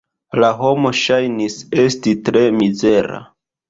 La homo ŝajnis esti tre mizera.